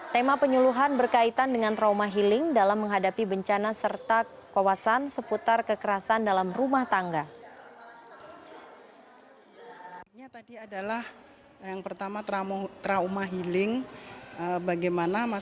tema penyeluhan berkaitan dengan trauma healing dalam menghadapi bencana serta kawasan seputar kekerasan dalam bangunan